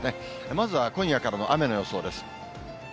まずは今夜からの雨の予想です。